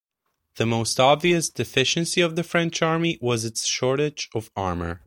The most obvious deficiency of the French army was its shortage of armour.